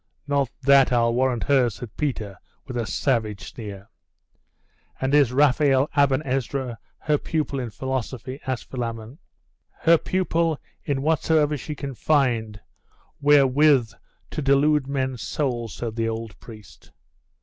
'Not that, I'll warrant her,' said Peter, with a savage sneer. 'And is Raphael Aben Ezra her pupil in philosophy?' asked Philammon. 'Her pupil in whatsoever she can find where with to delude men's souls,' said the old priest.